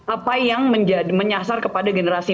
apa yang menyasar kepada generasi